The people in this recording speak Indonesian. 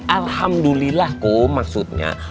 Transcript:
alhamdulillah kum maksudnya